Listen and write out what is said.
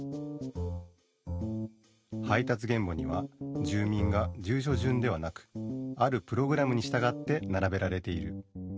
配達原簿には住民が住所順ではなくあるプログラムに従って並べられている。